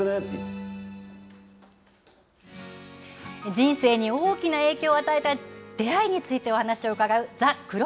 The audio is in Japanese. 人生に大きな影響を与えた出会いについてお話を伺う、ＴｈｅＣｒｏｓｓｒｏａｄ。